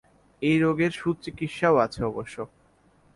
এই রোগের সুচিকিৎসাও আছে অবশ্য।